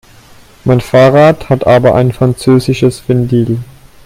Mein Fahrrad hat aber ein französisches Ventil.